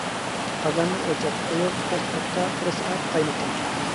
قازاننى ئوچاققا قويۇپ، پەس ئوتتا بىر سائەت قاينىتىڭ.